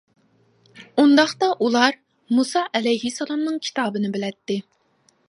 ئۇنداقتا ئۇلار مۇسا ئەلەيھىسسالامنىڭ كىتابىنى بىلەتتى.